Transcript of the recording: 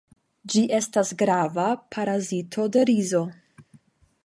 Ĝi estas grava parazito de rizo.